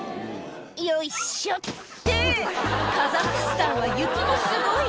「よいしょ」ってカザフスタンは雪もすごい！